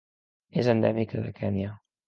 És endèmica de Kenya.